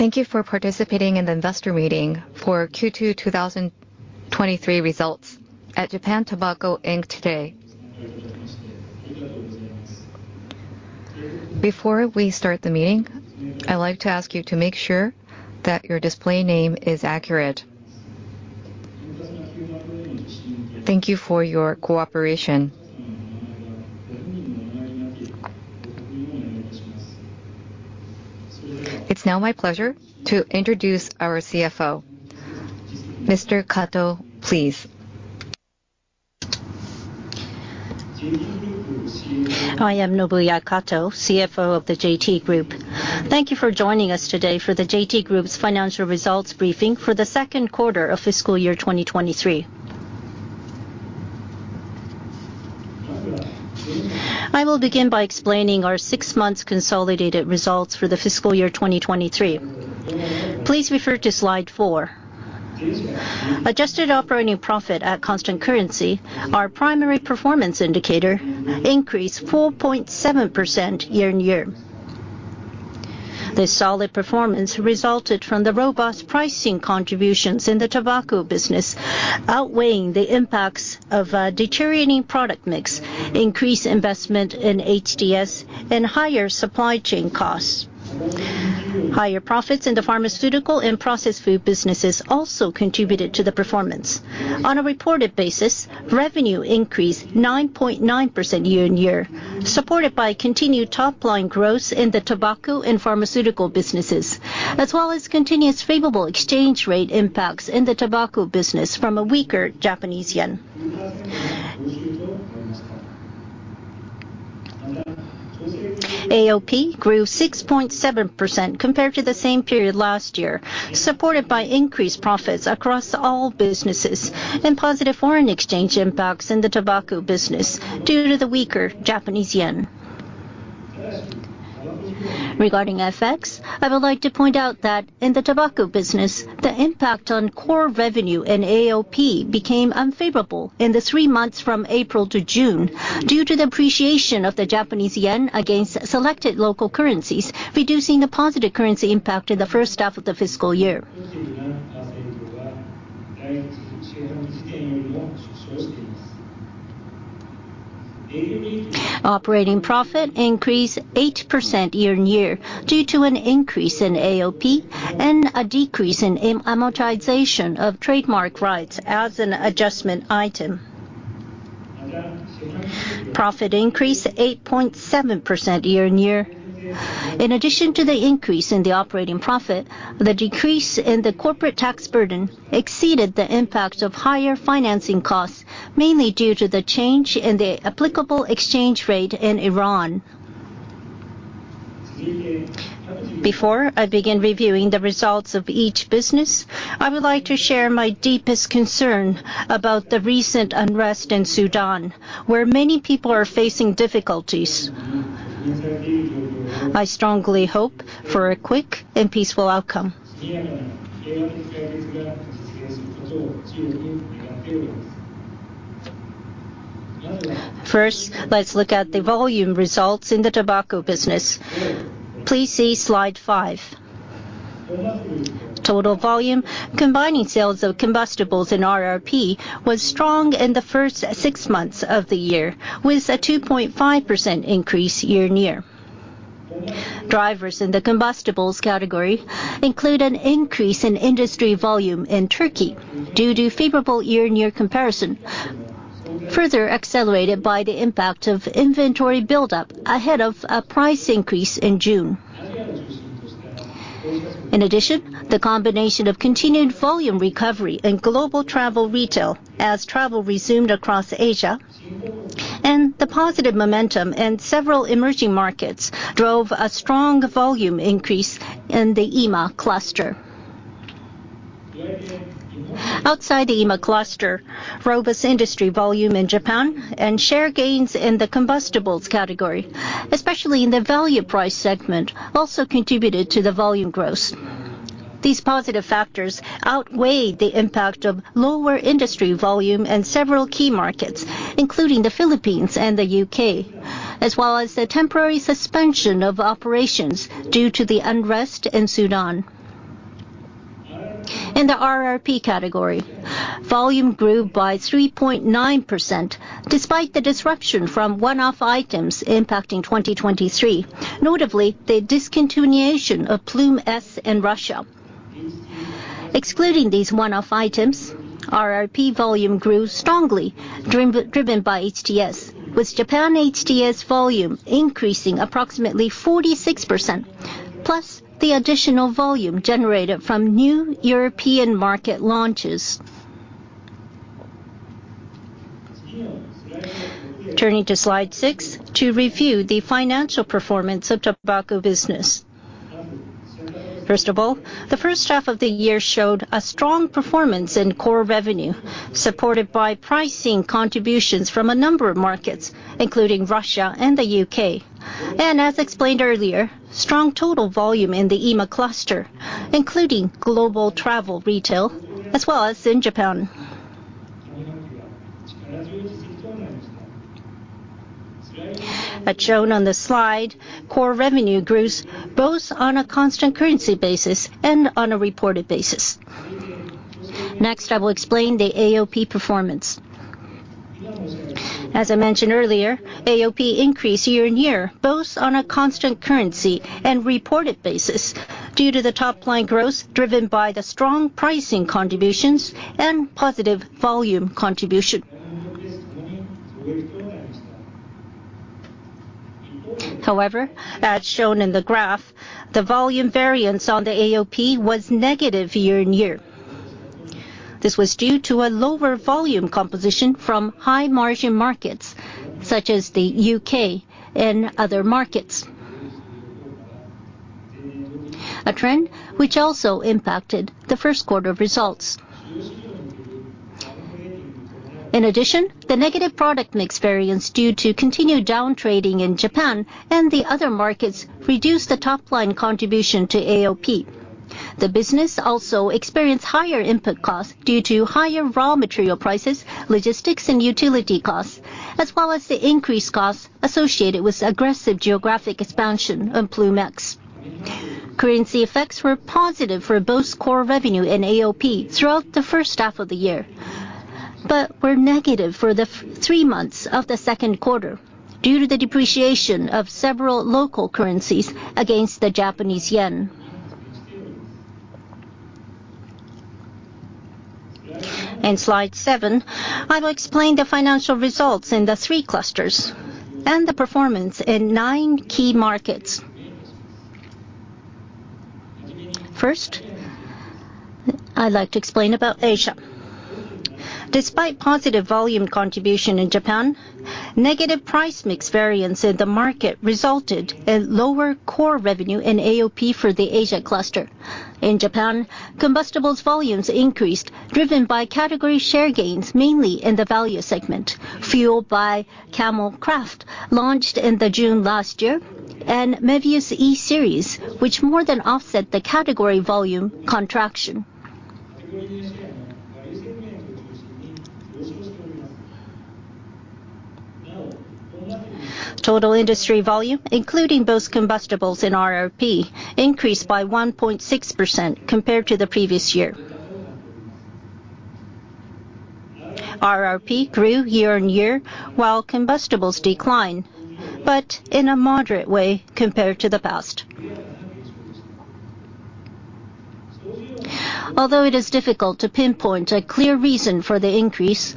Thank you for participating in the investor meeting for Q2 2023 Results at Japan Tobacco Inc. today. Before we start the meeting, I'd like to ask you to make sure that your display name is accurate. Thank you for your cooperation. It's now my pleasure to introduce our CFO, Mr. Kato, please. I am Nobuya Kato, CFO of the JT Group. Thank you for joining us today for the JT Group's financial results briefing for the second quarter of fiscal year 2023. I will begin by explaining our six-month consolidated results for the fiscal year 2023. Please refer to slide four. Adjusted operating profit at constant currency, our primary performance indicator, increased 4.7% year-on-year. This solid performance resulted from the robust pricing contributions in the tobacco business, outweighing the impacts of a deteriorating product mix, increased investment in HTS, and higher supply chain costs. Higher profits in the pharmaceutical and processed food businesses also contributed to the performance. On a reported basis, revenue increased 9.9% year-on-year, supported by continued top-line growth in the tobacco and pharmaceutical businesses, as well as continuous favorable exchange rate impacts in the tobacco business from a weaker Japanese yen. AOP grew 6.7% compared to the same period last year, supported by increased profits across all businesses and positive foreign exchange impacts in the tobacco business due to the weaker Japanese yen. Regarding FX, I would like to point out that in the tobacco business, the impact on core revenue in AOP became unfavorable in the three months from April to June due to the appreciation of the Japanese yen against selected local currencies, reducing the positive currency impact in the first half of the fiscal year. Operating profit increased 8% year-on-year due to an increase in AOP and a decrease in amortization of trademark rights as an adjustment item. Profit increased 8.7% year-on-year. In addition to the increase in the operating profit, the decrease in the corporate tax burden exceeded the impact of higher financing costs, mainly due to the change in the applicable exchange rate in Iran. Before I begin reviewing the results of each business, I would like to share my deepest concern about the recent unrest in Sudan, where many people are facing difficulties. I strongly hope for a quick and peaceful outcome. First, let's look at the volume results in the tobacco business. Please see slide five. Total volume, combining sales of combustibles and RRP, was strong in the first six months of the year, with a 2.5% increase year-on-year. Drivers in the combustibles category include an increase in industry volume in Turkey due to favorable year-on-year comparison, further accelerated by the impact of inventory buildup ahead of a price increase in June. In addition, the combination of continued volume recovery in Global Travel Retail as travel resumed across Asia and the positive momentum in several emerging markets drove a strong volume increase in the EMEA cluster. Outside the EMEA cluster, robust industry volume in Japan and share gains in the combustibles category, especially in the value price segment, also contributed to the volume growth. These positive factors outweighed the impact of lower industry volume in several key markets, including the Philippines and the UK, as well as the temporary suspension of operations due to the unrest in Sudan. In the RRP category, volume grew by 3.9% despite the disruption from one-off items impacting 2023, notably the discontinuation of Ploom S in Russia. Excluding these one-off items, RRP volume grew strongly driven by HTS, with Japan HTS volume increasing approximately 46%, plus the additional volume generated from new European market launches. Turning to slide six to review the financial performance of the tobacco business. First of all, the first half of the year showed a strong performance in core revenue, supported by pricing contributions from a number of markets, including Russia and the UK, and as explained earlier, strong total volume in the EMEA cluster, including Global Travel Retail, as well as in Japan. As shown on the slide, core revenue grew both on a constant currency basis and on a reported basis. Next, I will explain the AOP performance. As I mentioned earlier, AOP increased year-on-year both on a constant currency and reported basis due to the top-line growth driven by the strong pricing contributions and positive volume contribution. However, as shown in the graph, the volume variance on the AOP was negative year-on-year. This was due to a lower volume composition from high-margin markets such as the UK and other markets, a trend which also impacted the first quarter results. In addition, the negative product mix variance due to continued downtrading in Japan and the other markets reduced the top-line contribution to AOP. The business also experienced higher input costs due to higher raw material prices, logistics, and utility costs, as well as the increased costs associated with aggressive geographic expansion on Ploom X. Currency effects were positive for both core revenue and AOP throughout the first half of the year, but were negative for the three months of the second quarter due to the depreciation of several local currencies against the Japanese yen. In slide seven, I will explain the financial results in the three clusters and the performance in nine key markets. First, I'd like to explain about Asia. Despite positive volume contribution in Japan, negative price mix variance in the market resulted in lower core revenue in AOP for the Asia cluster. In Japan, combustibles volumes increased driven by category share gains, mainly in the value segment, fueled by Camel Craft launched in June last year and Mevius E-Series, which more than offset the category volume contraction. Total industry volume, including both combustibles and RRP, increased by 1.6% compared to the previous year. RRP grew year-on-year while combustibles declined, but in a moderate way compared to the past. Although it is difficult to pinpoint a clear reason for the increase,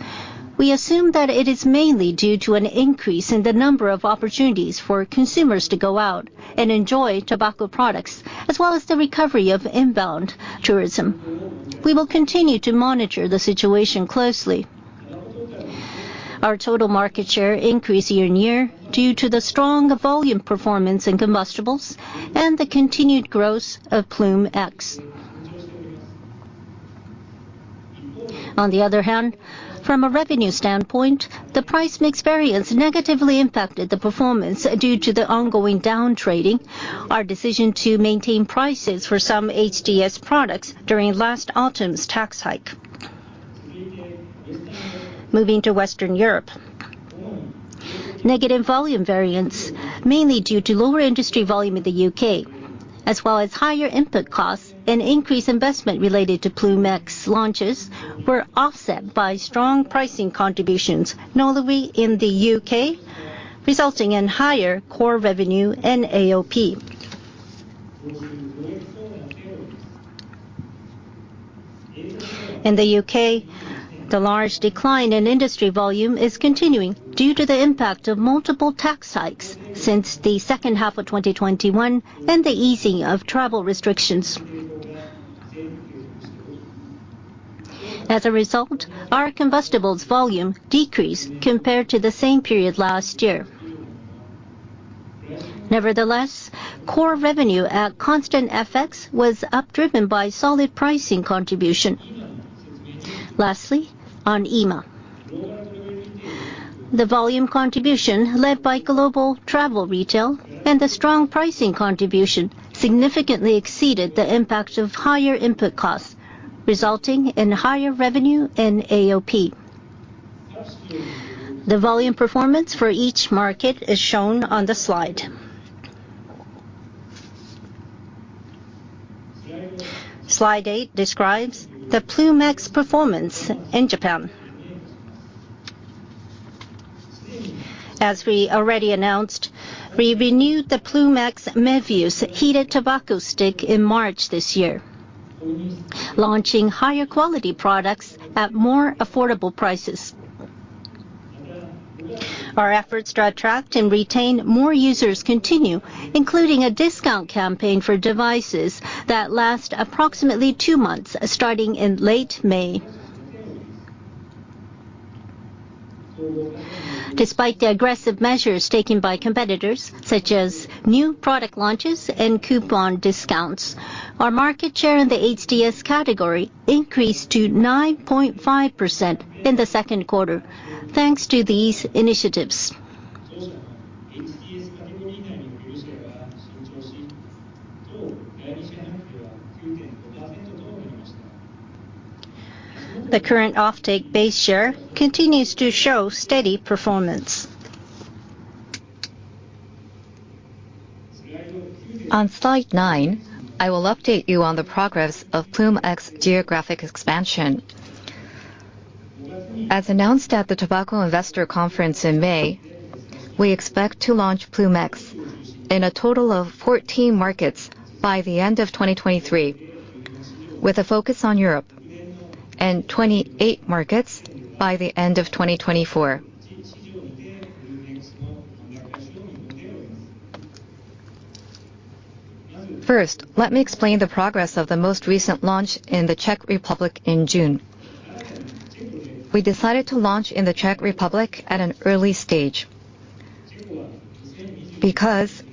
we assume that it is mainly due to an increase in the number of opportunities for consumers to go out and enjoy tobacco products, as well as the recovery of inbound tourism. We will continue to monitor the situation closely. Our total market share increased year on year due to the strong volume performance in combustibles and the continued growth of Ploom X. On the other hand, from a revenue standpoint, the Price Mix Variance negatively impacted the performance due to the ongoing downtrading, our decision to maintain prices for some HTS products during last autumn's tax hike. Moving to Western Europe, negative volume variance, mainly due to lower industry volume in the U.K., as well as higher input costs and increased investment related to Ploom X launches, were offset by strong pricing contributions notably in the U.K., resulting in higher Core Revenue and AOP. In the U.K., the large decline in industry volume is continuing due to the impact of multiple tax hikes since the second half of 2021 and the easing of travel restrictions. As a result, our combustibles volume decreased compared to the same period last year. Nevertheless, core revenue at constant FX was up, driven by solid pricing contribution. Lastly, on EMEA, the volume contribution led by Global Travel Retail and the strong pricing contribution significantly exceeded the impact of higher input costs, resulting in higher revenue and AOP. The volume performance for each market is shown on the slide. Slide eight describes the Ploom X performance in Japan. As we already announced, we renewed the Ploom X Mevius heated tobacco stick in March this year, launching higher quality products at more affordable prices. Our efforts to attract and retain more users continue, including a discount campaign for devices that last approximately two months starting in late May. Despite the aggressive measures taken by competitors, such as new product launches and coupon discounts, our market share in the HTS category increased to 9.5% in the second quarter thanks to these initiatives. The current offtake base share continues to show steady performance. On slide nine, I will update you on the progress of Ploom X geographic expansion. As announced at the Tobacco Investor Conference in May, we expect to launch Ploom X in a total of 14 markets by the end of 2023, with a focus on Europe, and 28 markets by the end of 2024. First, let me explain the progress of the most recent launch in the Czech Republic in June. We decided to launch in the Czech Republic at an early stage because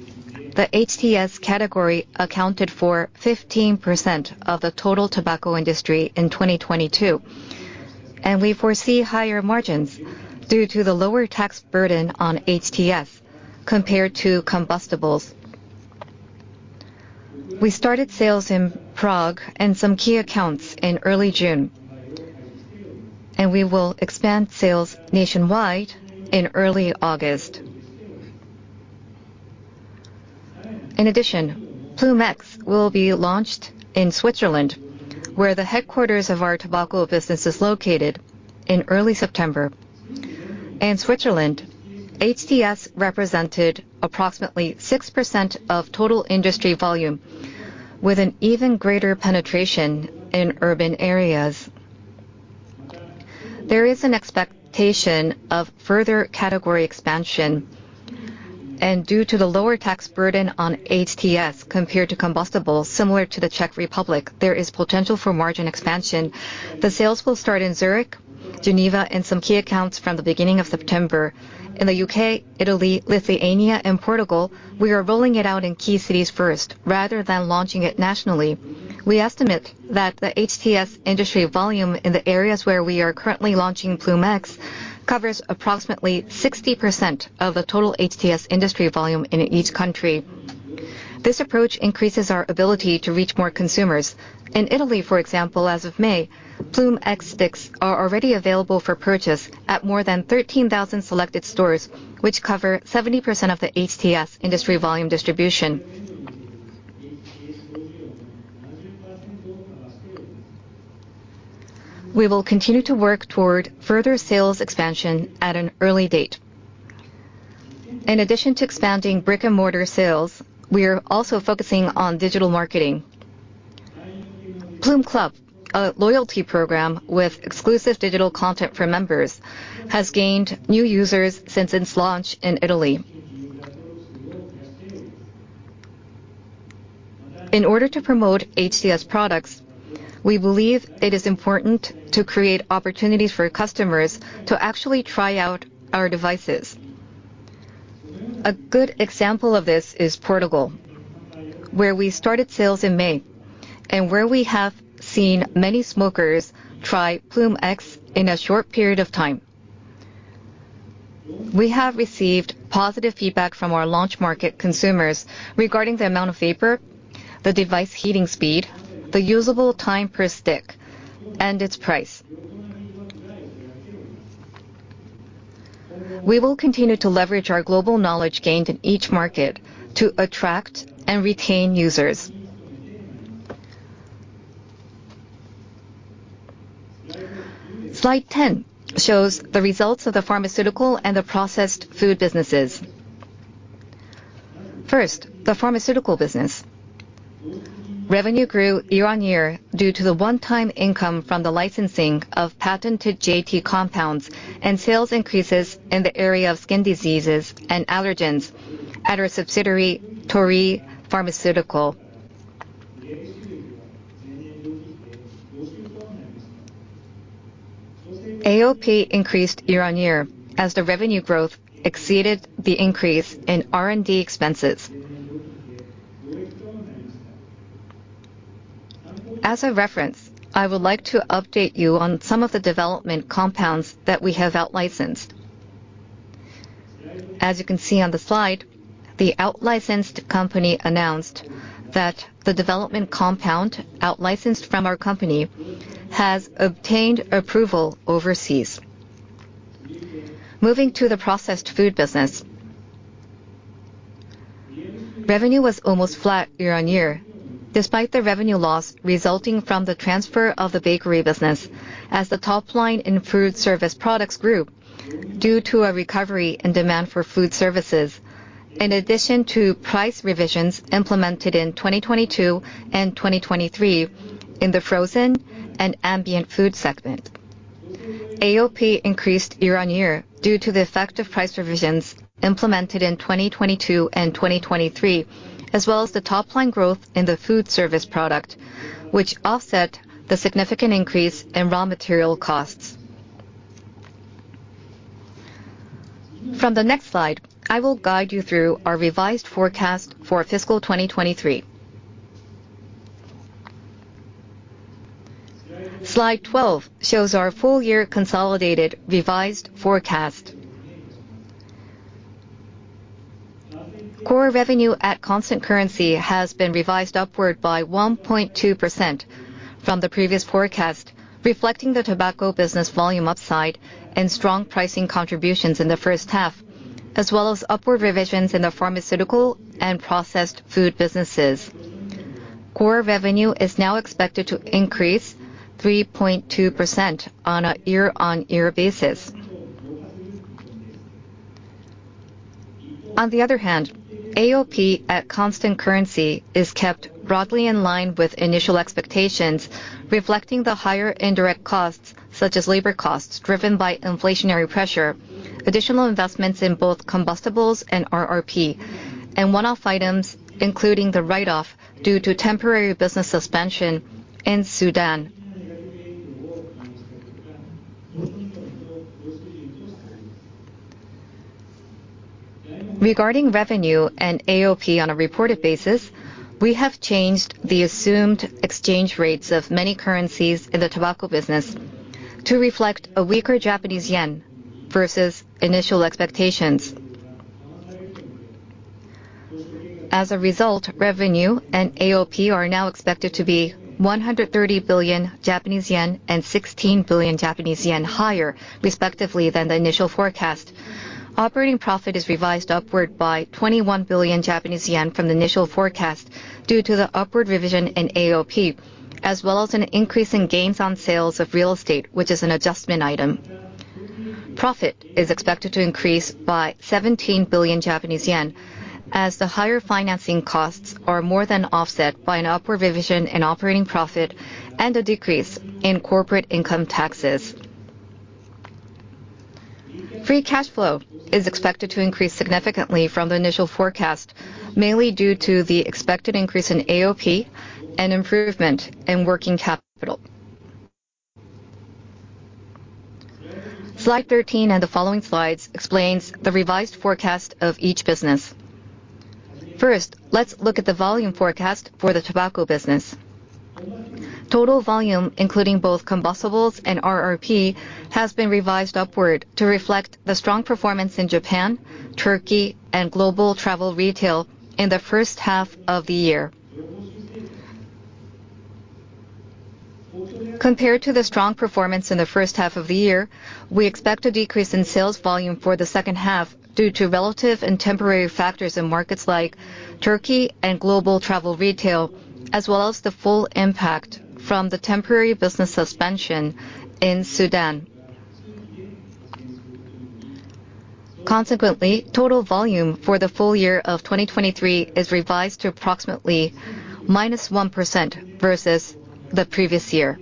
the HTS category accounted for 15% of the total tobacco industry in 2022, and we foresee higher margins due to the lower tax burden on HTS compared to combustibles. We started sales in Prague and some key accounts in early June, and we will expand sales nationwide in early August. In addition, Ploom X will be launched in Switzerland, where the headquarters of our tobacco business is located, in early September. In Switzerland, HTS represented approximately 6% of total industry volume, with an even greater penetration in urban areas. There is an expectation of further category expansion, and due to the lower tax burden on HTS compared to combustibles similar to the Czech Republic, there is potential for margin expansion. The sales will start in Zurich, Geneva, and some key accounts from the beginning of September. In the UK, Italy, Lithuania, and Portugal, we are rolling it out in key cities first rather than launching it nationally. We estimate that the HTS industry volume in the areas where we are currently launching Ploom X covers approximately 60% of the total HTS industry volume in each country. This approach increases our ability to reach more consumers. In Italy, for example, as of May, Ploom X sticks are already available for purchase at more than 13,000 selected stores, which cover 70% of the HTS industry volume distribution. We will continue to work toward further sales expansion at an early date. In addition to expanding brick-and-mortar sales, we are also focusing on digital marketing. Ploom Club, a loyalty program with exclusive digital content for members, has gained new users since its launch in Italy. In order to promote HTS products, we believe it is important to create opportunities for customers to actually try out our devices. A good example of this is Portugal, where we started sales in May and where we have seen many smokers try Ploom X in a short period of time. We have received positive feedback from our launch market consumers regarding the amount of vapor, the device heating speed, the usable time per stick, and its price. We will continue to leverage our global knowledge gained in each market to attract and retain users. Slide 10 shows the results of the pharmaceutical and the processed food businesses. First, the pharmaceutical business. Revenue grew year-on-year due to the one-time income from the licensing of patented JT compounds and sales increases in the area of skin diseases and allergens at our subsidiary, Torii Pharmaceutical. AOP increased year on year as the revenue growth exceeded the increase in R&D expenses. As a reference, I would like to update you on some of the development compounds that we have outlicensed. As you can see on the slide, the outlicensed company announced that the development compound outlicensed from our company has obtained approval overseas. Moving to the processed food business. Revenue was almost flat year-on-year, despite the revenue loss resulting from the transfer of the bakery business as the top line in food service products grew due to a recovery in demand for food services, in addition to price revisions implemented in 2022 and 2023 in the frozen and ambient food segment. AOP increased year-on-year due to the effect of price revisions implemented in 2022 and 2023, as well as the top-line growth in the food service product, which offset the significant increase in raw material costs. From the next slide, I will guide you through our revised forecast for fiscal 2023. Slide 12 shows our full-year consolidated revised forecast. Core Revenue at constant currency has been revised upward by 1.2% from the previous forecast, reflecting the tobacco business volume upside and strong pricing contributions in the first half, as well as upward revisions in the pharmaceutical and processed food businesses. Core Revenue is now expected to increase 3.2% on a year-on-year basis. On the other hand, AOP at constant currency is kept broadly in line with initial expectations, reflecting the higher indirect costs, such as labor costs driven by inflationary pressure, additional investments in both combustibles and RRP, and one-off items, including the write-off due to temporary business suspension in Sudan. Regarding revenue and AOP on a reported basis, we have changed the assumed exchange rates of many currencies in the tobacco business to reflect a weaker Japanese yen versus initial expectations. As a result, revenue and AOP are now expected to be 130 billion Japanese yen, and 16 billion Japanese yen higher, respectively, than the initial forecast. Operating profit is revised upward by 21 billion Japanese yen from the initial forecast due to the upward revision in AOP, as well as an increase in gains on sales of real estate, which is an adjustment item. Profit is expected to increase by 17 billion Japanese yen, as the higher financing costs are more than offset by an upward revision in operating profit and a decrease in corporate income taxes. Free cash flow is expected to increase significantly from the initial forecast, mainly due to the expected increase in AOP and improvement in working capital. Slide 13 and the following slides explain the revised forecast of each business. First, let's look at the volume forecast for the tobacco business. Total volume, including both combustibles and RRP, has been revised upward to reflect the strong performance in Japan, Turkey, and Global Travel Retail in the first half of the year. Compared to the strong performance in the first half of the year, we expect a decrease in sales volume for the second half due to relative and temporary factors in markets like Turkey and Global Travel Retail, as well as the full impact from the temporary business suspension in Sudan. Consequently, total volume for the full year of 2023 is revised to approximately minus 1% versus the previous year.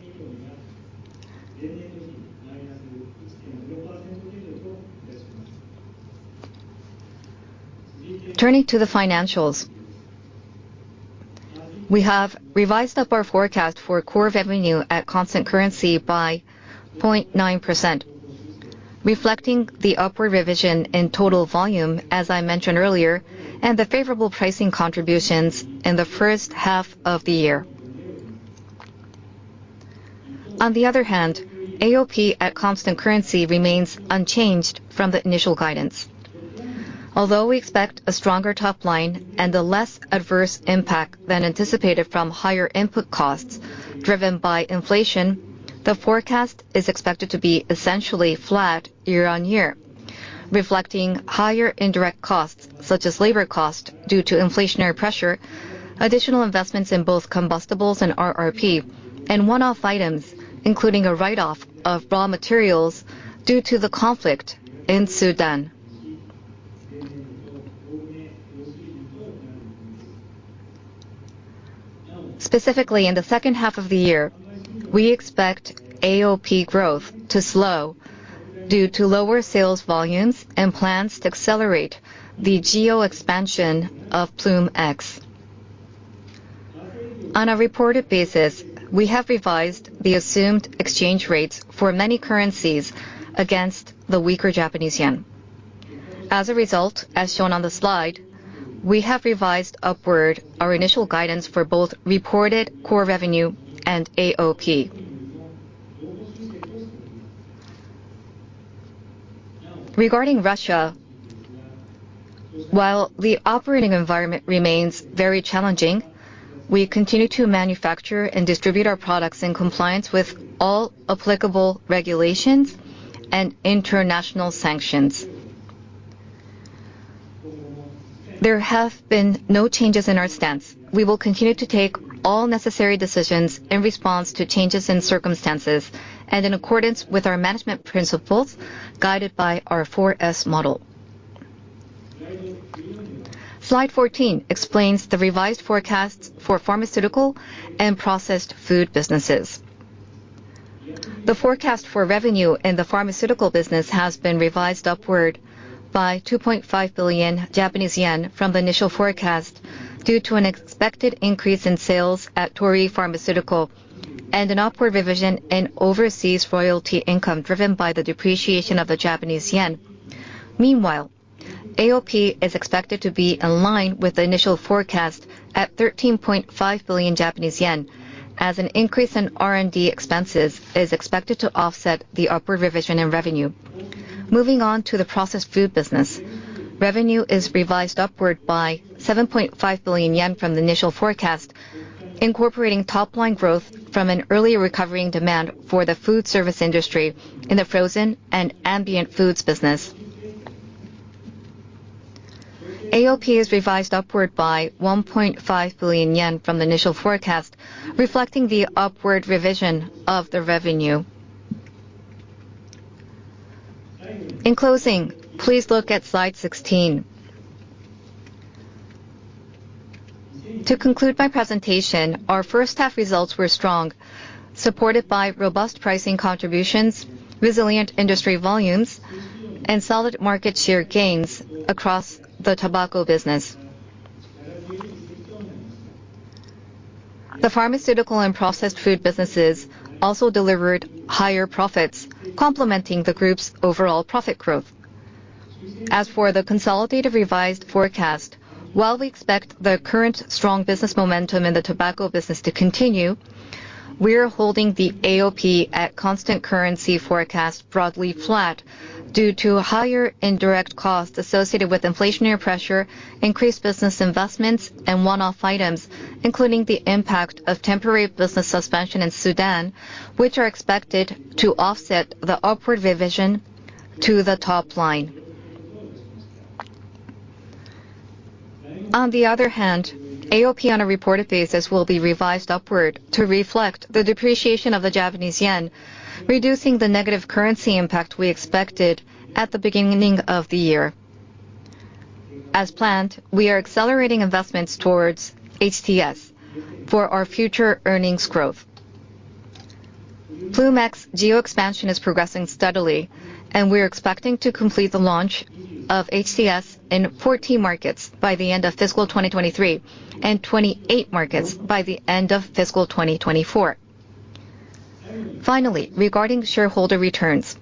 Turning to the financials, we have revised up our forecast for core revenue at constant currency by 0.9%, reflecting the upward revision in total volume, as I mentioned earlier, and the favorable pricing contributions in the first half of the year. On the other hand, AOP at constant currency remains unchanged from the initial guidance. Although we expect a stronger top line and a less adverse impact than anticipated from higher input costs driven by inflation, the forecast is expected to be essentially flat year on year, reflecting higher indirect costs such as labor costs due to inflationary pressure, additional investments in both combustibles and RRP, and one-off items, including a write-off of raw materials due to the conflict in Sudan. Specifically, in the second half of the year, we expect AOP growth to slow due to lower sales volumes and plans to accelerate the geo-expansion of Ploom X. On a reported basis, we have revised the assumed exchange rates for many currencies against the weaker Japanese yen. As a result, as shown on the slide, we have revised upward our initial guidance for both reported core revenue and AOP. Regarding Russia, while the operating environment remains very challenging, we continue to manufacture and distribute our products in compliance with all applicable regulations and international sanctions. There have been no changes in our stance. We will continue to take all necessary decisions in response to changes in circumstances and in accordance with our management principles guided by our 4S Model. Slide 14 explains the revised forecast for pharmaceutical and processed food businesses. The forecast for revenue in the pharmaceutical business has been revised upward by 2.5 billion Japanese yen from the initial forecast due to an expected increase in sales at Torii Pharmaceutical and an upward revision in overseas royalty income driven by the depreciation of the Japanese yen. Meanwhile, AOP is expected to be in line with the initial forecast at 13.5 billion Japanese yen, as an increase in R&D expenses is expected to offset the upward revision in revenue. Moving on to the processed food business, revenue is revised upward by 7.5 billion yen from the initial forecast, incorporating top-line growth from an early recovering demand for the food service industry in the frozen and ambient foods business. AOP is revised upward by 1.5 billion yen from the initial forecast, reflecting the upward revision of the revenue. In closing, please look at slide 16. To conclude my presentation, our first half results were strong, supported by robust pricing contributions, resilient industry volumes, and solid market share gains across the tobacco business. The pharmaceutical and processed food businesses also delivered higher profits, complementing the group's overall profit growth. As for the consolidated revised forecast, while we expect the current strong business momentum in the tobacco business to continue, we are holding the AOP at constant currency forecast broadly flat due to higher indirect costs associated with inflationary pressure, increased business investments, and one-off items, including the impact of temporary business suspension in Sudan, which are expected to offset the upward revision to the top line. On the other hand, AOP on a reported basis will be revised upward to reflect the depreciation of the Japanese yen, reducing the negative currency impact we expected at the beginning of the year. As planned, we are accelerating investments towards HTS for our future earnings growth. Ploom X geo-expansion is progressing steadily, and we are expecting to complete the launch of HTS in 14 markets by the end of fiscal 2023 and 28 markets by the end of fiscal 2024. Finally, regarding shareholder returns,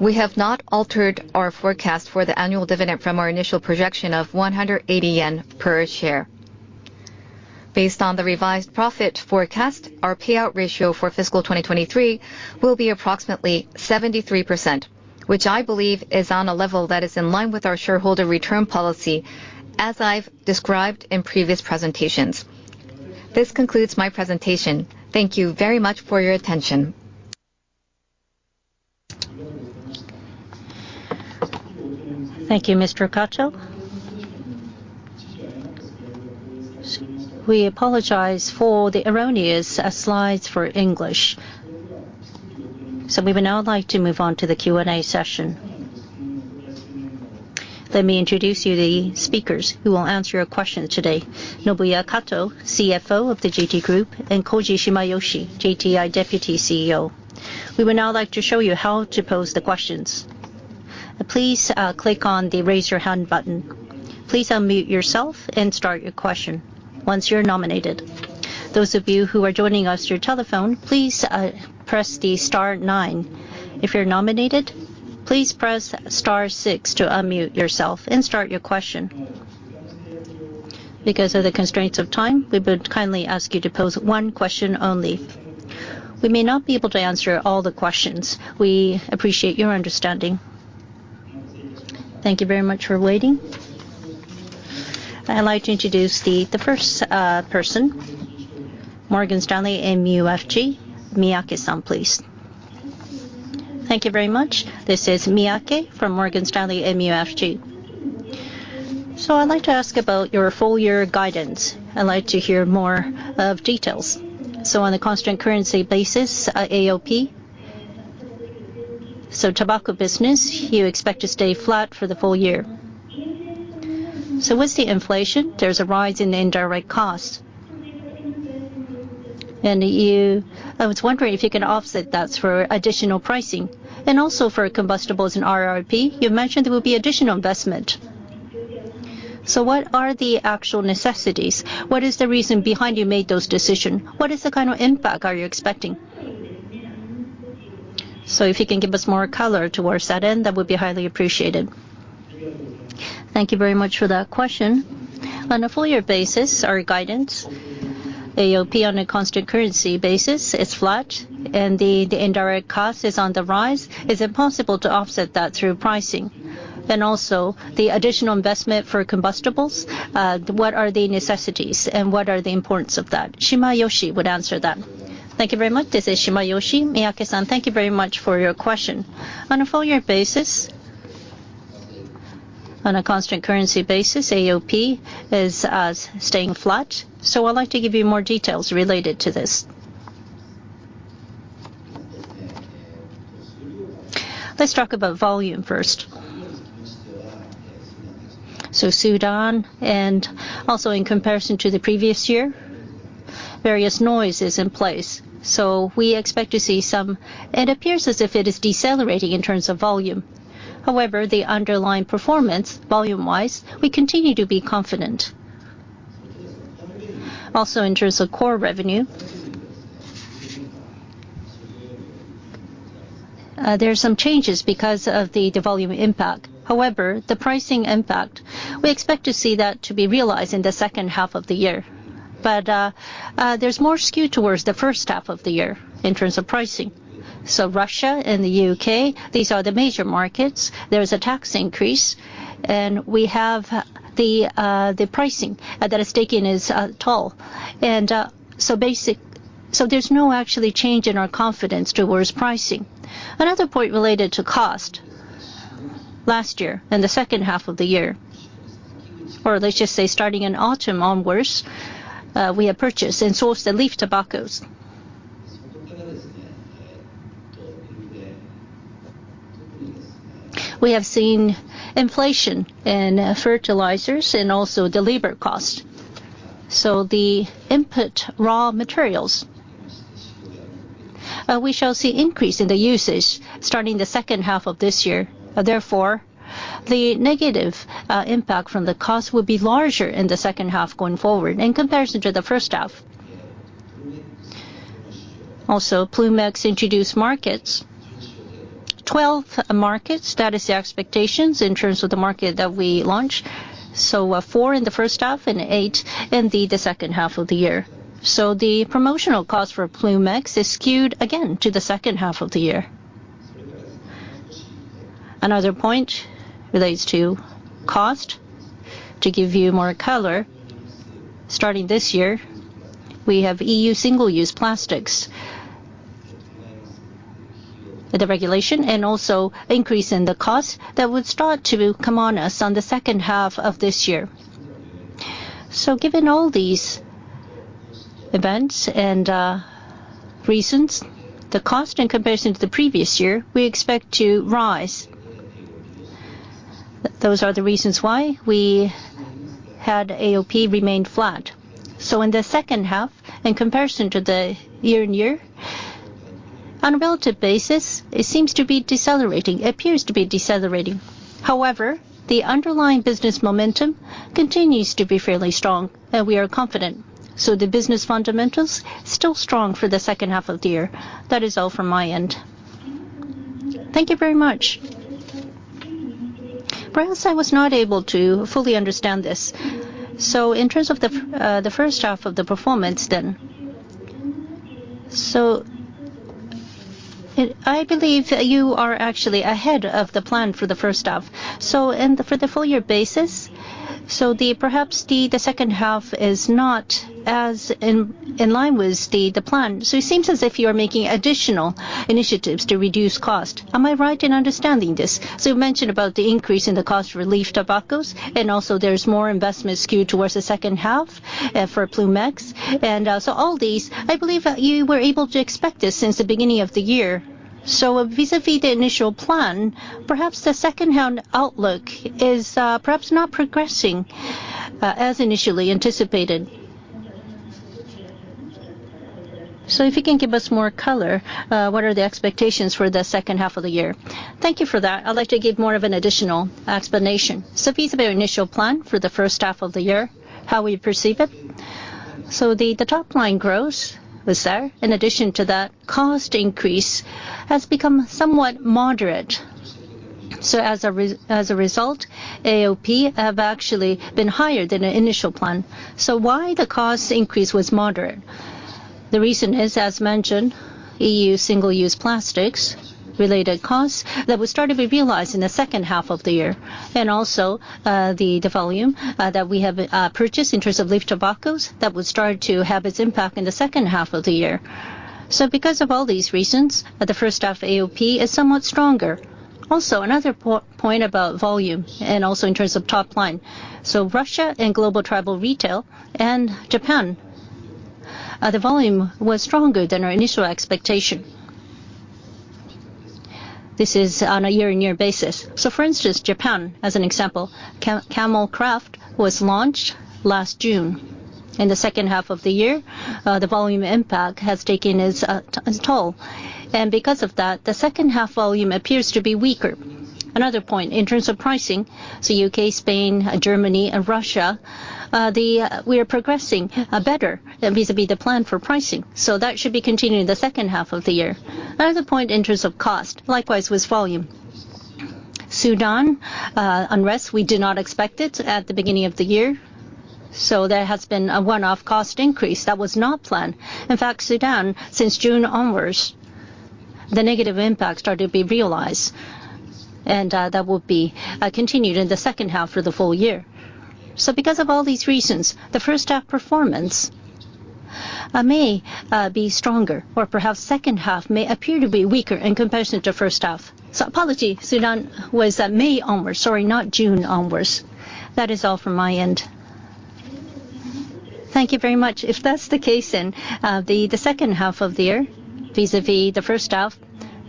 we have not altered our forecast for the annual dividend from our initial projection of 180 yen per share. Based on the revised profit forecast, our payout ratio for fiscal 2023 will be approximately 73%, which I believe is on a level that is in line with our shareholder return policy, as I've described in previous presentations. This concludes my presentation. Thank you very much for your attention. Thank you, Mr. Kato. We apologize for the erroneous slides for English. So we would now like to move on to the Q&A session. Let me introduce you to the speakers who will answer your questions today. Nobuya Kato, CFO of the JT Group, and Koji Shimayoshi, JTI Deputy CEO. We would now like to show you how to pose the questions. Please click on the raise your hand button. Please unmute yourself and start your question once you're nominated. Those of you who are joining us through telephone, please press the star nine. If you're nominated, please press star six to unmute yourself and start your question. Because of the constraints of time, we would kindly ask you to pose one question only. We may not be able to answer all the questions. We appreciate your understanding. Thank you very much for waiting. I'd like to introduce the first person, Morgan Stanley MUFG, Miyake-san, please. Thank you very much. This is Miyake from Morgan Stanley MUFG. So I'd like to ask about your full-year guidance. I'd like to hear more of details. So on a constant currency basis, AOP, so tobacco business, you expect to stay flat for the full year. So with the inflation, there's a rise in indirect costs. And I was wondering if you can offset that for additional pricing. And also for combustibles and RRP, you mentioned there will be additional investment. So what are the actual necessities? What is the reason behind you made those decisions? What is the kind of impact are you expecting? So if you can give us more color towards that end, that would be highly appreciated. Thank you very much for that question. On a full-year basis, our guidance, AOP on a constant currency basis, is flat, and the indirect cost is on the rise. Is it possible to offset that through pricing? And also, the additional investment for combustibles, what are the necessities and what are the importance of that? Shimayoshi would answer that. Thank you very much. This is Shimayoshi, Miyake-san. Thank you very much for your question. On a full-year basis, on a constant currency basis, AOP is staying flat. So I'd like to give you more details related to this. Let's talk about volume first. So Sudan, and also in comparison to the previous year, various noise is in place. So we expect to see some, it appears as if it is decelerating in terms of volume. However, the underlying performance, volume-wise, we continue to be confident. Also in terms of core revenue, there are some changes because of the volume impact. However, the pricing impact, we expect to see that to be realized in the second half of the year. But there's more skew towards the first half of the year in terms of pricing. So Russia and the UK, these are the major markets. There is a tax increase, and the pricing that has taken its toll. There's no actual change in our confidence toward pricing. Another point related to cost, last year and the second half of the year, or let's just say starting in autumn onwards, we have purchased and sourced the leaf tobaccos. We have seen inflation in fertilizers and also the labor cost. So the input raw materials, we shall see increase in the usage starting the second half of this year. Therefore, the negative impact from the cost will be larger in the second half going forward in comparison to the first half. Also, Ploom X introduced markets, 12 markets, that is the expectations in terms of the market that we launched. So four in the first half, and eight in the second half of the year. So the promotional cost for Ploom X is skewed again to the second half of the year. Another point relates to cost. To give you more color, starting this year, we have the EU Single-Use Plastics Directive and also increase in the cost that would start to come on us in the second half of this year. So given all these events and reasons, the cost in comparison to the previous year, we expect to rise. Those are the reasons why we had AOP remain flat. So in the second half, in comparison to the year-on-year, on a relative basis, it seems to be decelerating. It appears to be decelerating. However, the underlying business momentum continues to be fairly strong, and we are confident. So the business fundamentals are still strong for the second half of the year. That is all from my end. Thank you very much. Perhaps I was not able to fully understand this. So in terms of the first half of the performance then, so I believe you are actually ahead of the plan for the first half. So for the full-year basis, so perhaps the second half is not as in line with the plan. So it seems as if you are making additional initiatives to reduce cost. Am I right in understanding this? So you mentioned about the increase in the cost of leaf tobaccos, and also there's more investment skewed towards the second half for Ploom X. And so all these, I believe you were able to expect this since the beginning of the year. So vis-à-vis the initial plan, perhaps the second-half outlook is perhaps not progressing as initially anticipated. So if you can give us more color, what are the expectations for the second half of the year? Thank you for that. I'd like to give more of an additional explanation so vis-à-vis our initial plan for the first half of the year, how we perceive it so the top line growth is there. In addition to that, cost increase has become somewhat moderate so as a result, AOP has actually been higher than the initial plan so why the cost increase was moderate? The reason is, as mentioned, EU single-use plastics-related costs that will start to be realized in the second half of the year. And also the volume that we have purchased in terms of leaf tobaccos that will start to have its impact in the second half of the year so because of all these reasons, the first half AOP is somewhat stronger. Also, another point about volume and also in terms of top line. Russia and Global Travel Retail and Japan, the volume was stronger than our initial expectation. This is on a year-on-year basis. For instance, Japan as an example, Camel Craft was launched last June. In the second half of the year, the volume impact has taken its toll. And because of that, the second-half volume appears to be weaker. Another point in terms of pricing, so U.K., Spain, Germany, and Russia, we are progressing better vis-à-vis the plan for pricing. So that should be continuing the second half of the year. Another point in terms of cost, likewise with volume. Sudan, unrest we did not expect it at the beginning of the year, so there has been a one-off cost increase that was not planned. In fact, Sudan, since June onwards, the negative impact started to be realized. And that will be continued in the second half for the full year. So because of all these reasons, the first-half performance may be stronger, or perhaps second half may appear to be weaker in comparison to first half. So apology, Sudan was May onwards, sorry, not June onwards. That is all from my end. Thank you very much. If that's the case in the second half of the year vis-à-vis the first half,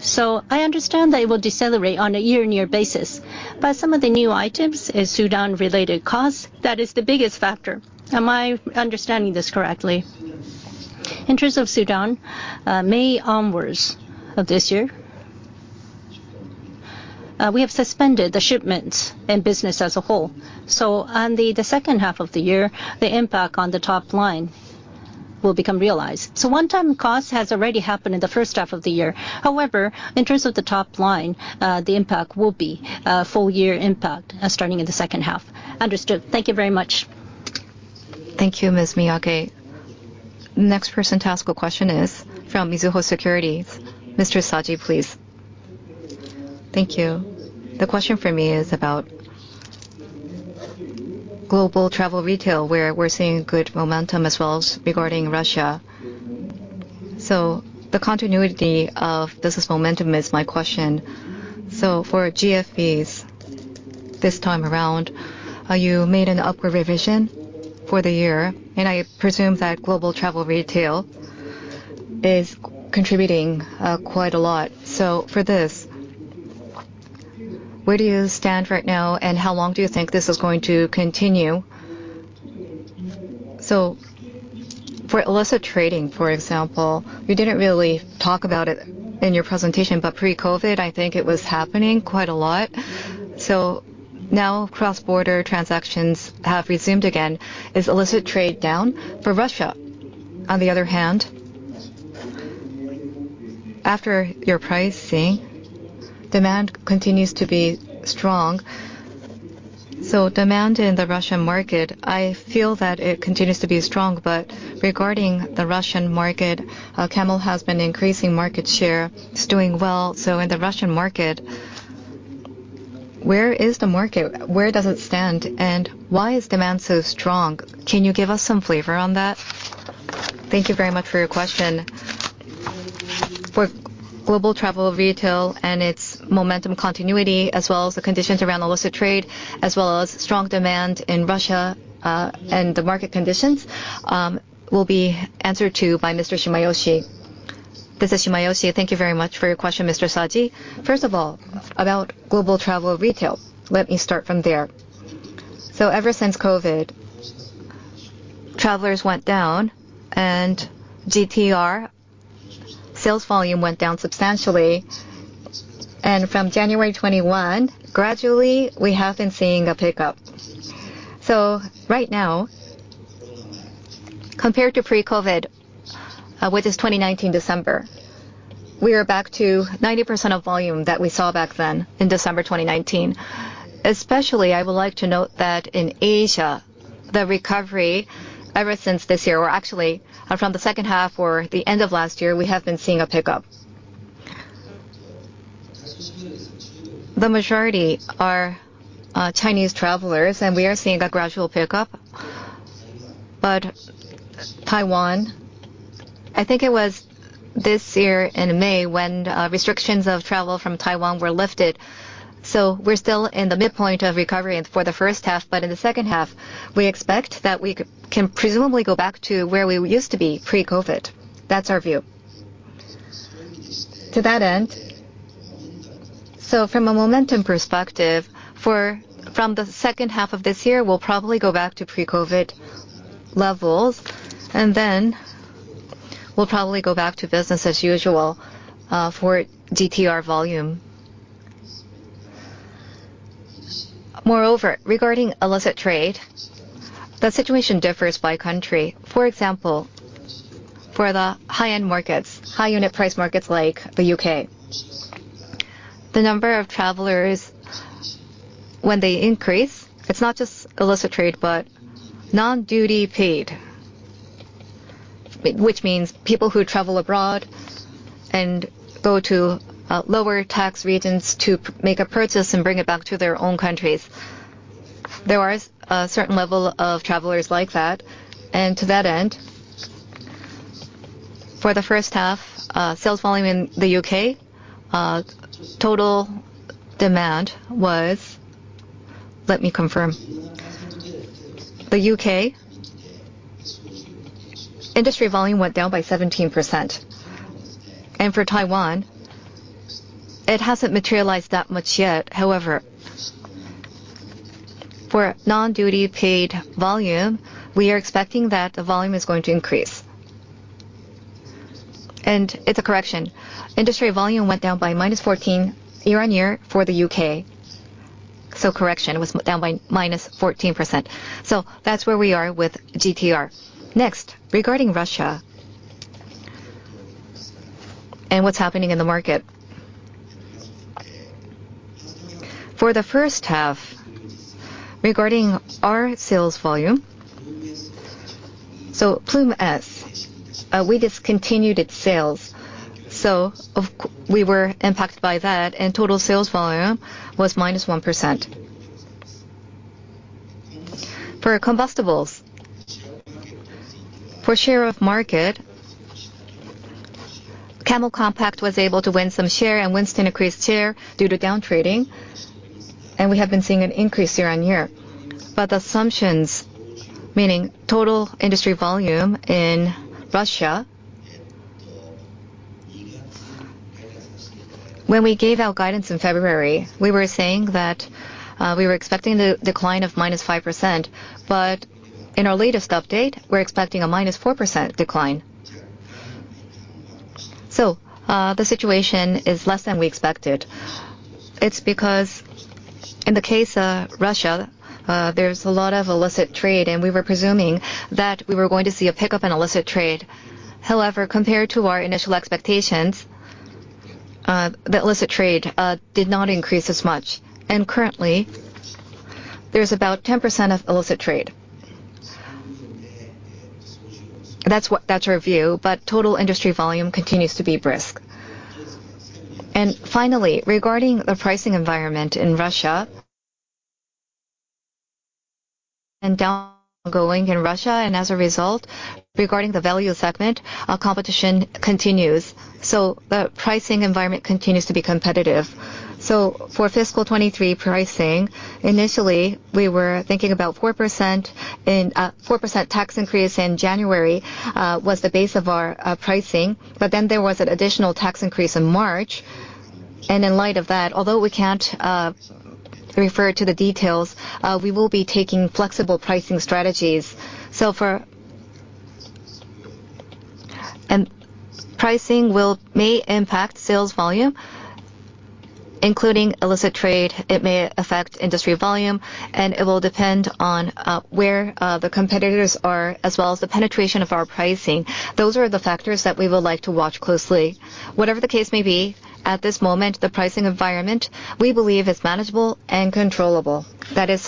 so I understand they will decelerate on a year-on-year basis. But some of the new items is Sudan-related costs. That is the biggest factor. Am I understanding this correctly? In terms of Sudan, May onwards of this year, we have suspended the shipments and business as a whole. So on the second half of the year, the impact on the top line will become realized. So one-time cost has already happened in the first half of the year. However, in terms of the top line, the impact will be full-year impact starting in the second half. Understood. Thank you very much. Thank you, Ms. Miyake. Next person to ask a question is from Mizuho Securities. Mr. Saji, please. Thank you. The question for me is about Global Travel Retail, where we're seeing good momentum as well as regarding Russia. So the continuity of this momentum is my question. So for GFBs this time around, you made an upward revision for the year, and I presume that Global Travel Retail is contributing quite a lot. So for this, where do you stand right now, and how long do you think this is going to continue? So for illicit trading, for example, you didn't really talk about it in your presentation, but pre-COVID, I think it was happening quite a lot. So now cross-border transactions have resumed again. Is illicit trade down for Russia? On the other hand, after your pricing, demand continues to be strong. So demand in the Russian market, I feel that it continues to be strong. But regarding the Russian market, Camel has been increasing market share, is doing well. So in the Russian market, where is the market? Where does it stand? And why is demand so strong? Can you give us some flavor on that? Thank you very much for your question. For Global Travel Retail and its momentum continuity, as well as the conditions around illicit trade, as well as strong demand in Russia and the market conditions, will be answered to by Mr. Shimayoshi. This is Shimayoshi. Thank you very much for your question, Mr. Saji. First of all, about Global Travel Retail, let me start from there. So ever since COVID, travelers went down, and GTR sales volume went down substantially. And from January 21, gradually, we have been seeing a pickup. So right now, compared to pre-COVID, which is December 2019, we are back to 90% of volume that we saw back then in December 2019. Especially, I would like to note that in Asia, the recovery ever since this year, or actually from the second half or the end of last year, we have been seeing a pickup. The majority are Chinese travelers, and we are seeing a gradual pickup. But Taiwan, I think it was this year in May when restrictions of travel from Taiwan were lifted. So we're still in the midpoint of recovery for the first half, but in the second half, we expect that we can presumably go back to where we used to be pre-COVID. That's our view. To that end, so from a momentum perspective, from the second half of this year, we'll probably go back to pre-COVID levels, and then we'll probably go back to business as usual for GTR volume. Moreover, regarding illicit trade, the situation differs by country. For example, for the high-end markets, high-unit price markets like the U.K., the number of travelers, when they increase, it's not just illicit trade, but non-duty paid, which means people who travel abroad and go to lower tax regions to make a purchase and bring it back to their own countries. There are a certain level of travelers like that. To that end, for the first half, sales volume in the U.K., total demand was, let me confirm, the U.K., industry volume went down by 17%. For Taiwan, it hasn't materialized that much yet. However, for non-duty paid volume, we are expecting that the volume is going to increase. It's a correction. Industry volume went down by -14% year-on-year for the U.K. Correction was down by -14%. That's where we are with GTR. Next, regarding Russia and what's happening in the market. For the first half, regarding our sales volume, Ploom S, we discontinued its sales. We were impacted by that, and total sales volume was -1%. For combustibles, for share of market, Camel Compact was able to win some share and Winston increased share due to down trading, and we have been seeing an increase year-on-year, but the assumptions, meaning total industry volume in Russia, when we gave out guidance in February, we were saying that we were expecting the decline of -5%, but in our latest update, we're expecting a -4% decline, so the situation is less than we expected. It's because in the case of Russia, there's a lot of illicit trade, and we were presuming that we were going to see a pickup in illicit trade. However, compared to our initial expectations, the illicit trade did not increase as much, and currently, there's about 10% of illicit trade. That's our view, but total industry volume continues to be brisk. Finally, regarding the pricing environment in Russia and downtrading in Russia, and as a result, regarding the value segment, competition continues. The pricing environment continues to be competitive. For fiscal 2023 pricing, initially, we were thinking about 4% tax increase in January was the base of our pricing. But then there was an additional tax increase in March. In light of that, although we can't refer to the details, we will be taking flexible pricing strategies. For pricing, it may impact sales volume, including illicit trade. It may affect industry volume, and it will depend on where the competitors are, as well as the penetration of our pricing. Those are the factors that we would like to watch closely. Whatever the case may be, at this moment, the pricing environment, we believe, is manageable and controllable. That is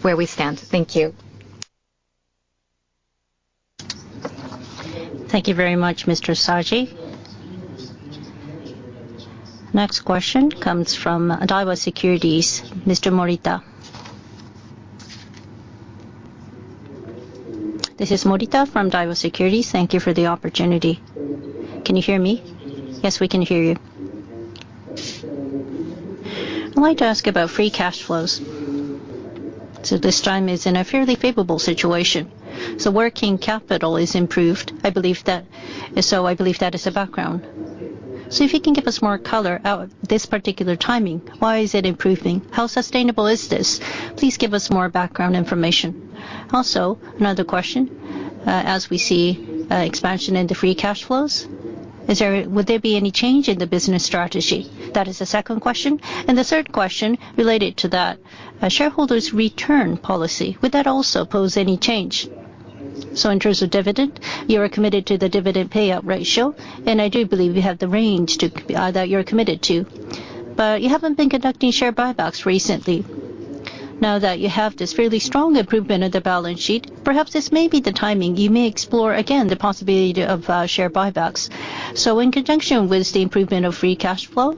where we stand. Thank you. Thank you very much, Mr. Saji. Next question comes from Daiwa Securities. Mr. Morita. This is Morita from Daiwa Securities. Thank you for the opportunity. Can you hear me? Yes, we can hear you. I'd like to ask about free cash flows. So this time is in a fairly favorable situation. So working capital is improved. I believe that is the background. So if you can give us more color on this particular timing, why is it improving? How sustainable is this? Please give us more background information. Also, another question, as we see expansion in the free cash flows, would there be any change in the business strategy? That is the second question. And the third question related to that, shareholders' return policy, would that also pose any change? So in terms of dividend, you are committed to the dividend payout ratio, and I do believe you have the range that you're committed to. But you haven't been conducting share buybacks recently. Now that you have this fairly strong improvement of the balance sheet, perhaps this may be the timing you may explore again the possibility of share buybacks. So in conjunction with the improvement of free cash flow,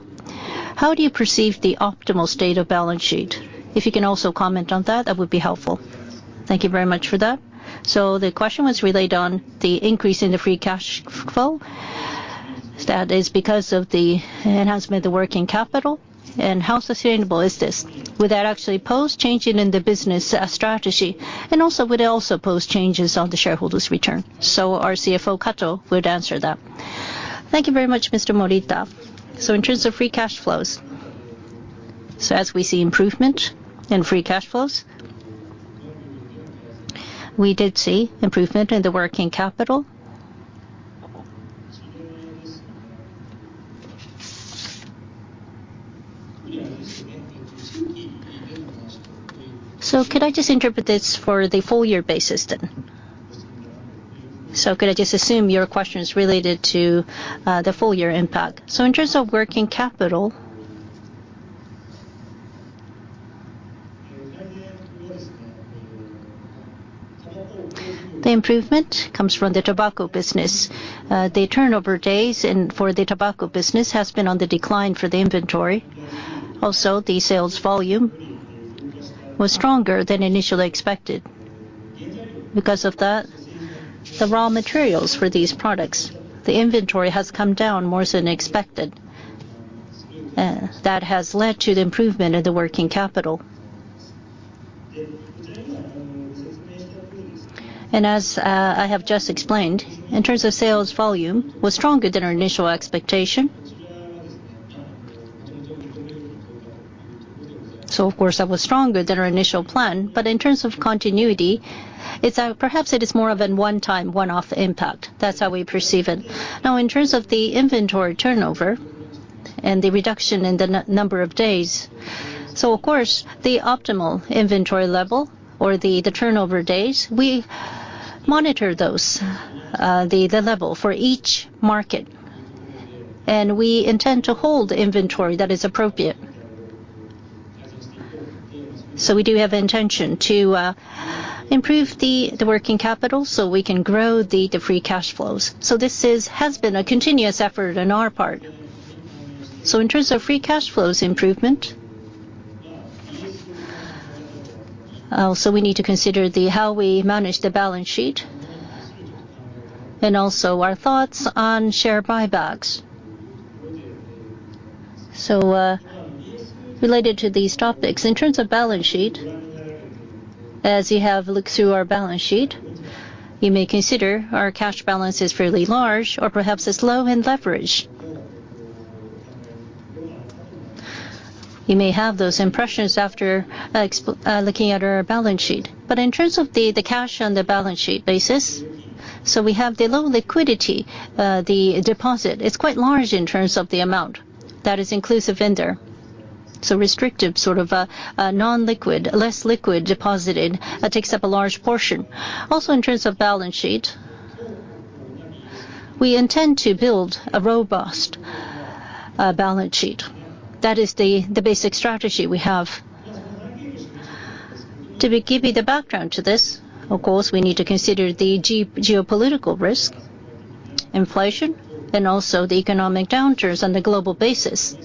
how do you perceive the optimal state of balance sheet? If you can also comment on that, that would be helpful. Thank you very much for that. So the question was related on the increase in the free cash flow. That is because of the enhancement of the working capital. And how sustainable is this? Would that actually pose changing in the business strategy? And also, would it also pose changes on the shareholders' return? Our CFO Kato would answer that. Thank you very much, Mr. Morita. In terms of free cash flows, as we see improvement in free cash flows, we did see improvement in the working capital. Could I just interpret this for the full-year basis then? Could I just assume your question is related to the full-year impact? In terms of working capital, the improvement comes from the tobacco business. The turnover days for the tobacco business have been on the decline for the inventory. Also, the sales volume was stronger than initially expected. Because of that, the raw materials for these products, the inventory has come down more than expected. That has led to the improvement in the working capital, as I have just explained, in terms of sales volume, it was stronger than our initial expectation. Of course, that was stronger than our initial plan. But in terms of continuity, perhaps it is more of a one-time, one-off impact. That's how we perceive it. Now, in terms of the inventory turnover and the reduction in the number of days, of course, the optimal inventory level or the turnover days, we monitor those, the level for each market. And we intend to hold inventory that is appropriate. We do have intention to improve the working capital so we can grow the free cash flows. This has been a continuous effort on our part. In terms of free cash flows improvement, also we need to consider how we manage the balance sheet and also our thoughts on share buybacks. So related to these topics, in terms of balance sheet, as you have looked through our balance sheet, you may consider our cash balance is fairly large or perhaps it's low in leverage. You may have those impressions after looking at our balance sheet. But in terms of the cash on the balance sheet basis. So we have the low liquidity, the deposit. It's quite large in terms of the amount that is inclusive vendor. So restrictive sort of non-liquid, less liquid deposited, it takes up a large portion. Also in terms of balance sheet, we intend to build a robust balance sheet. That is the basic strategy we have. To give you the background to this, of course, we need to consider the geopolitical risk, inflation, and also the economic downturns on the global basis.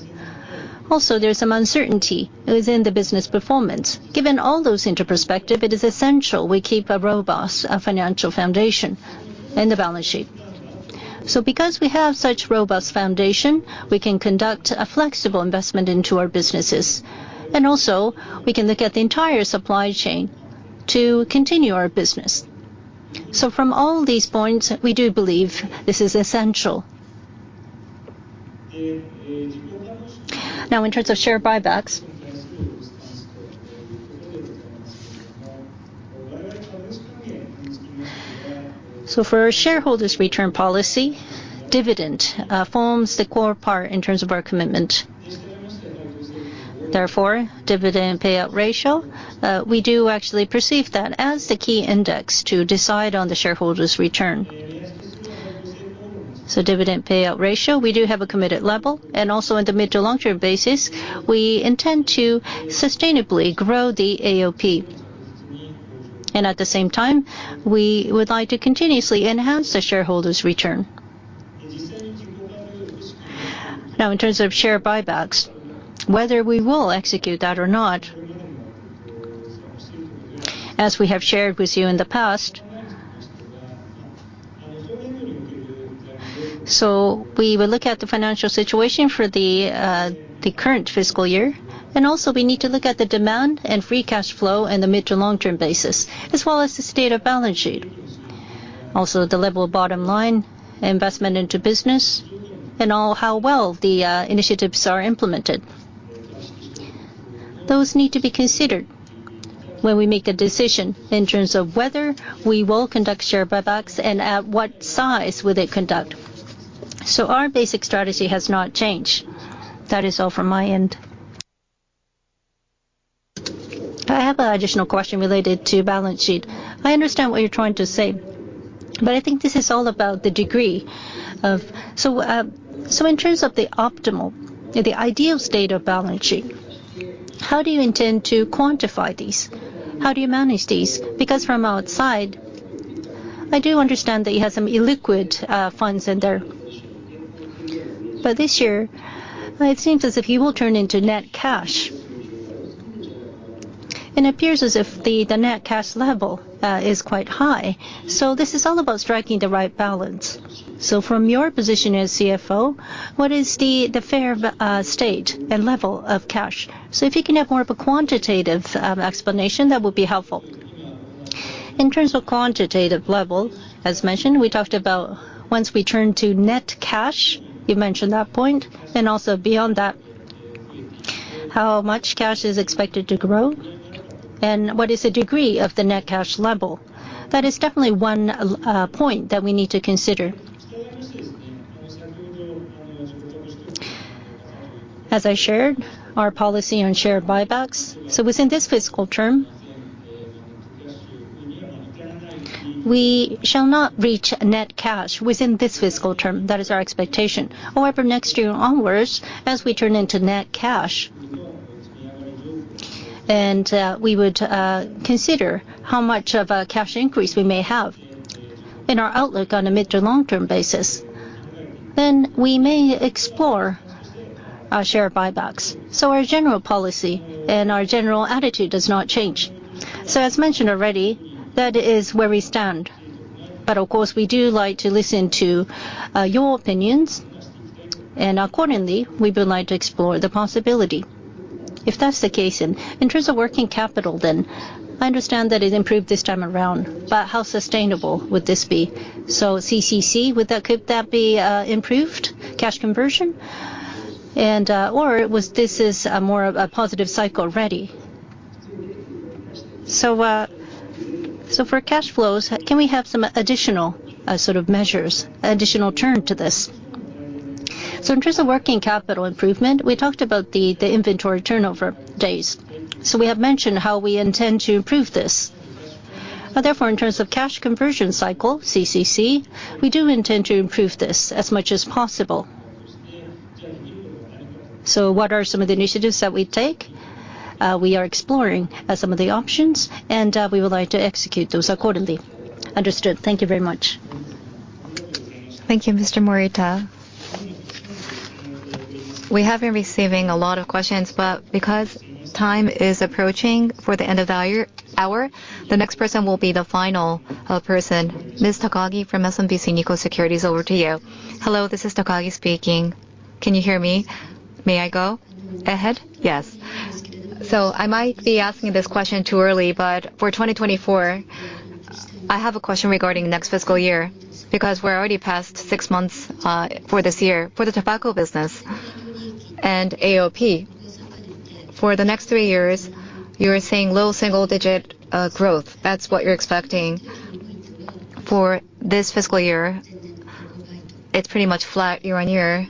Also, there's some uncertainty within the business performance. Given all those into perspective, it is essential we keep a robust financial foundation in the balance sheet, so because we have such robust foundation, we can conduct a flexible investment into our businesses, and also, we can look at the entire supply chain to continue our business, so from all these points, we do believe this is essential. Now, in terms of share buybacks, so for our shareholders' return policy, dividend forms the core part in terms of our commitment. Therefore, dividend payout ratio, we do actually perceive that as the key index to decide on the shareholders' return, so dividend payout ratio, we do have a committed level, and also in the mid to long-term basis, we intend to sustainably grow the AOP, and at the same time, we would like to continuously enhance the shareholders' return. Now, in terms of share buybacks, whether we will execute that or not, as we have shared with you in the past, so we will look at the financial situation for the current fiscal year. And also, we need to look at the demand and free cash flow on the mid- to long-term basis, as well as the state of balance sheet. Also, the level of bottom line, investment into business, and how well the initiatives are implemented. Those need to be considered when we make a decision in terms of whether we will conduct share buybacks and at what size will they conduct. So our basic strategy has not changed. That is all from my end. I have an additional question related to balance sheet. I understand what you're trying to say, but I think this is all about the degree of. In terms of the optimal, the ideal state of balance sheet, how do you intend to quantify these? How do you manage these? Because from outside, I do understand that you have some illiquid funds in there. But this year, it seems as if you will turn into net cash. It appears as if the net cash level is quite high. This is all about striking the right balance. From your position as CFO, what is the fair state and level of cash? If you can have more of a quantitative explanation, that would be helpful. In terms of quantitative level, as mentioned, we talked about once we turn to net cash, you mentioned that point, and also beyond that, how much cash is expected to grow, and what is the degree of the net cash level. That is definitely one point that we need to consider. As I shared, our policy on share buybacks, so within this fiscal term, we shall not reach net cash within this fiscal term. That is our expectation. However, next year onwards, as we turn into net cash, and we would consider how much of a cash increase we may have in our outlook on a mid to long-term basis, then we may explore share buybacks. So our general policy and our general attitude does not change. So as mentioned already, that is where we stand. But of course, we do like to listen to your opinions, and accordingly, we would like to explore the possibility. If that's the case, and in terms of working capital, then I understand that it improved this time around, but how sustainable would this be? So CCC, would that be improved cash conversion? or this is more of a positive cycle already? So for cash flows, can we have some additional sort of measures, additional turn to this? So in terms of working capital improvement, we talked about the inventory turnover days. So we have mentioned how we intend to improve this. Therefore, in terms of cash conversion cycle, CCC, we do intend to improve this as much as possible. So what are some of the initiatives that we take? We are exploring some of the options, and we would like to execute those accordingly. Understood. Thank you very much. Thank you, Mr. Morita. We have been receiving a lot of questions, but because time is approaching for the end of the hour, the next person will be the final person. Ms. Takagi from SMBC Nikko Securities, over to you. Hello, this is Takagi speaking. Can you hear me? May I go ahead? Yes. So I might be asking this question too early, but for 2024, I have a question regarding next fiscal year because we're already past six months for this year for the tobacco business and AOP. For the next three years, you're seeing low single-digit growth. That's what you're expecting for this fiscal year. It's pretty much flat year on year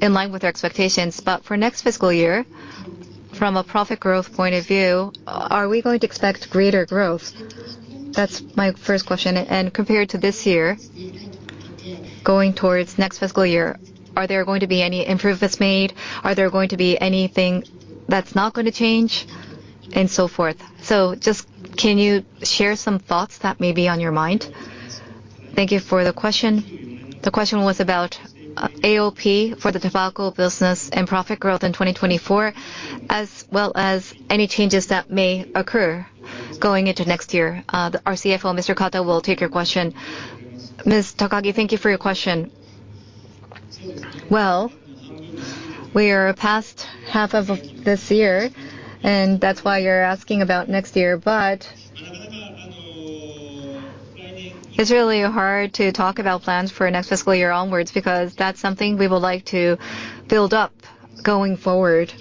in line with our expectations. But for next fiscal year, from a profit growth point of view, are we going to expect greater growth? That's my first question. And compared to this year, going towards next fiscal year, are there going to be any improvements made? Are there going to be anything that's not going to change? And so forth. So just can you share some thoughts that may be on your mind? Thank you for the question. The question was about AOP for the tobacco business and profit growth in 2024, as well as any changes that may occur going into next year. Our CFO, Mr. Kato, will take your question. Ms. Takagi, thank you for your question. We are past half of this year, and that's why you're asking about next year. It's really hard to talk about plans for next fiscal year onwards because that's something we would like to build up going forward.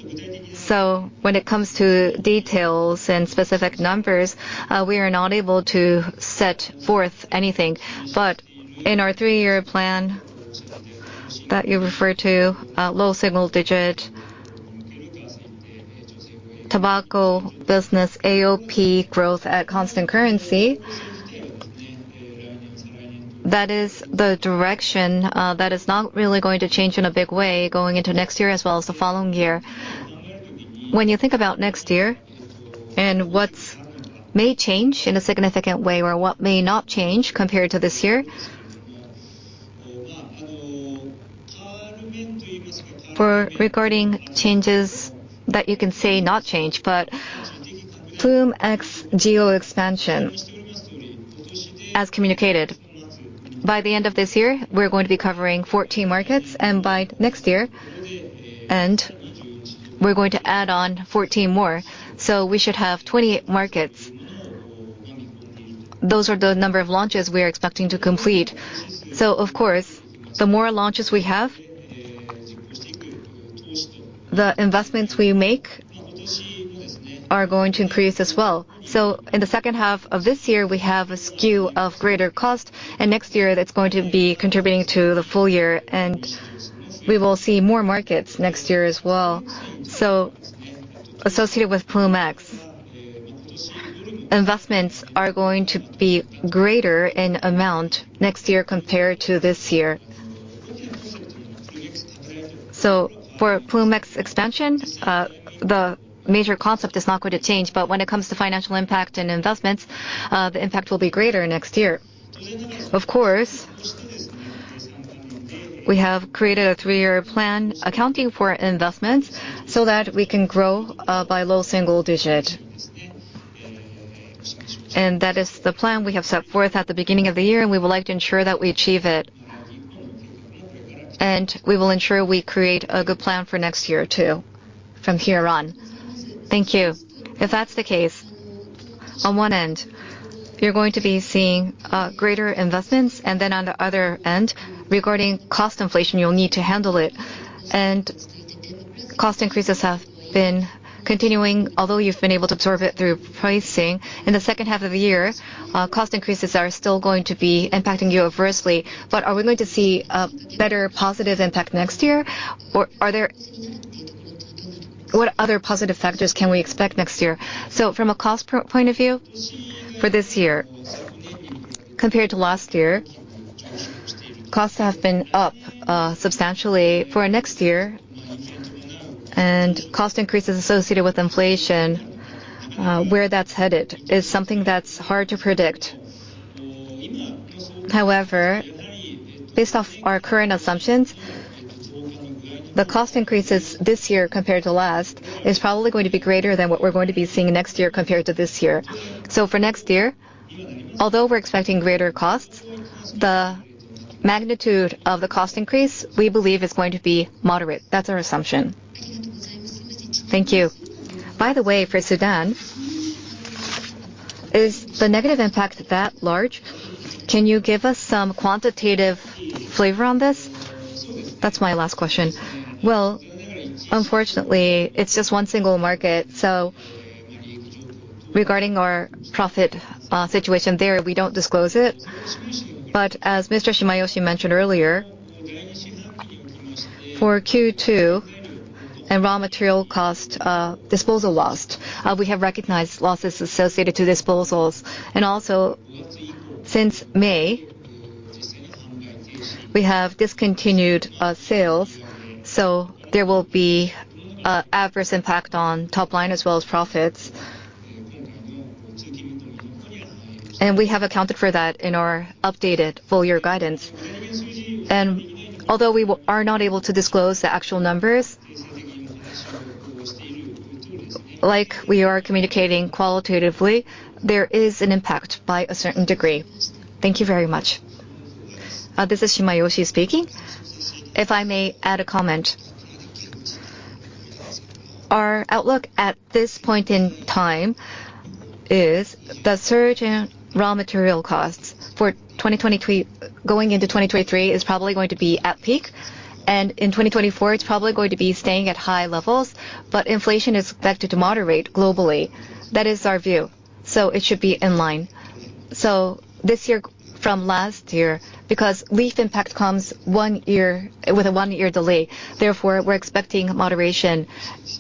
When it comes to details and specific numbers, we are not able to set forth anything. In our three-year plan that you refer to, low single-digit tobacco business, AOP growth at constant currency, that is the direction that is not really going to change in a big way going into next year as well as the following year. When you think about next year and what may change in a significant way or what may not change compared to this year, regarding changes that you can say not change, but Ploom X geo expansion, as communicated, by the end of this year, we're going to be covering 14 markets, and by next year, we're going to add on 14 more, so we should have 20 markets. Those are the number of launches we are expecting to complete, so of course, the more launches we have, the investments we make are going to increase as well, so in the second half of this year, we have a skew of greater cost, and next year, that's going to be contributing to the full year, and we will see more markets next year as well. So associated with Ploom X, investments are going to be greater in amount next year compared to this year. So for Ploom X expansion, the major concept is not going to change, but when it comes to financial impact and investments, the impact will be greater next year. Of course, we have created a three-year plan accounting for investments so that we can grow by low single digit. And that is the plan we have set forth at the beginning of the year, and we would like to ensure that we achieve it. And we will ensure we create a good plan for next year too from here on. Thank you. If that's the case, on one end, you're going to be seeing greater investments, and then on the other end, regarding cost inflation, you'll need to handle it. Cost increases have been continuing, although you've been able to absorb it through pricing. In the second half of the year, cost increases are still going to be impacting you adversely. Are we going to see a better positive impact next year, or what other positive factors can we expect next year? From a cost point of view for this year, compared to last year, costs have been up substantially for next year, and cost increases associated with inflation, where that's headed, is something that's hard to predict. However, based off our current assumptions, the cost increases this year compared to last is probably going to be greater than what we're going to be seeing next year compared to this year. For next year, although we're expecting greater costs, the magnitude of the cost increase, we believe, is going to be moderate. That's our assumption. Thank you. By the way, for Sudan, is the negative impact that large? Can you give us some quantitative flavor on this? That's my last question. Well, unfortunately, it's just one single market. So regarding our profit situation there, we don't disclose it. But as Mr. Shimayoshi mentioned earlier, for Q2 and raw material cost disposal loss, we have recognized losses associated to disposals. And also, since May, we have discontinued sales, so there will be an adverse impact on top line as well as profits. And we have accounted for that in our updated full-year guidance. And although we are not able to disclose the actual numbers, like we are communicating qualitatively, there is an impact by a certain degree. Thank you very much. This is Shimayoshi speaking. If I may add a comment, our outlook at this point in time is the surge in raw material costs for 2023 going into 2023 is probably going to be at peak, and in 2024, it's probably going to be staying at high levels, but inflation is expected to moderate globally. That is our view. So it should be in line. So this year from last year, because leaf impact comes with a one-year delay, therefore, we're expecting moderation,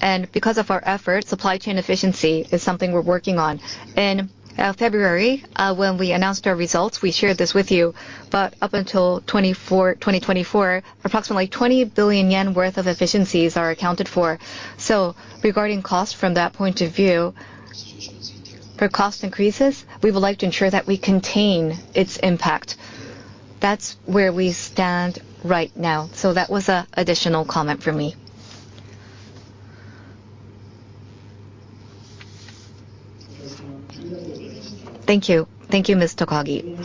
and because of our efforts, supply chain efficiency is something we're working on. In February, when we announced our results, we shared this with you, but up until 2024, approximately 20 billion yen worth of efficiencies are accounted for. So regarding costs from that point of view, for cost increases, we would like to ensure that we contain its impact. That's where we stand right now. So that was an additional comment for me. Thank you. Thank you, Ms. Takagi.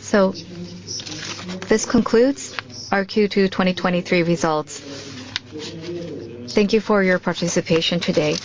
So this concludes our Q2 2023 results. Thank you for your participation today.